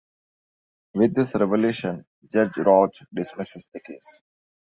With this revelation, Judge Rauch dismisses the case.